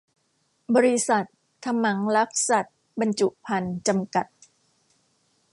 บริษัท ถมังรักษสัตว์บรรจุภัณฑ์ จำกัด